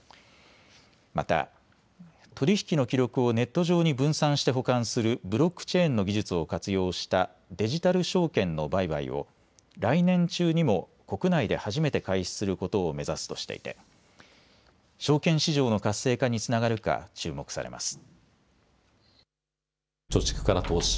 また取り引きの記録をネット上に分散して保管するブロックチェーンの技術を活用したデジタル証券の売買を来年中にも国内で初めて開始することを目指すとしていて証券市場の活性化につながるか注目されます。